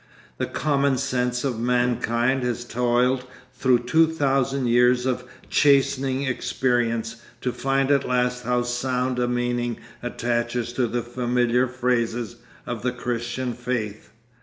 The common sense of mankind has toiled through two thousand years of chastening experience to find at last how sound a meaning attaches to the familiar phrases of the Christian faith.